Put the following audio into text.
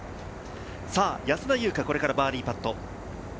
安田祐香、これからバーディーパット。